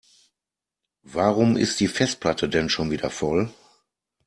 Warum ist die Festplatte denn schon wieder voll?